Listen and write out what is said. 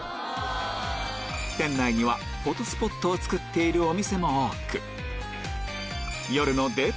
店内にはフォトスポットをつくっているお店も多く夜のデート